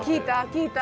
聞いた？